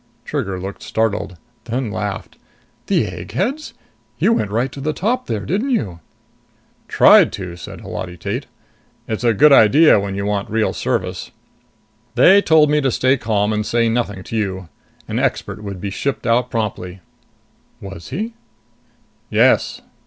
Trigger looked startled, then laughed. "The eggheads? You went right to the top there, didn't you?" "Tried to," said Holati Tate. "It's a good idea when you want real service. They told me to stay calm and to say nothing to you. An expert would be shipped out promptly." "Was he?" "Yes."